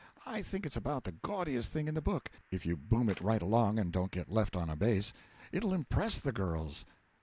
I think it's about the gaudiest thing in the book, if you boom it right along and don't get left on a base. It'll impress the girls.